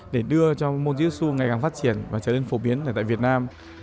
để đưa cho môn jiu jitsu ngày càng phát triển và trở nên phổ biến tại việt nam